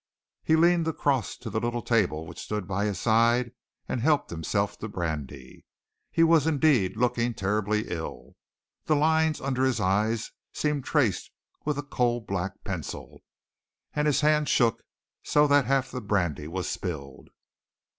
He leaned across to the little table which stood by his side and helped himself to brandy. He was indeed looking terribly ill. The lines under his eyes seemed traced with a coal black pencil, and his hand shook so that half the brandy was spilled.